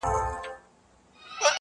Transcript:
ښار کرار کړي له دې هري شپې یرغله!